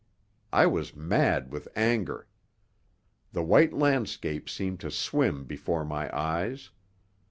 I was mad with anger. The white landscape seemed to swim before my eyes.